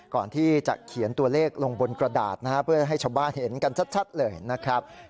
ก่อนที่จะเขียนตัวเลขลงบนกระดาษนะฮะเพื่อให้ชาวบ้านเห็นกันชัดเลยนะครับ